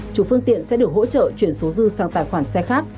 chủ phương tiện sẽ được hỗ trợ chuyển số dư sang tài khoản xe khác